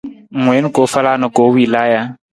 Ng wiin koofala na koowila ja?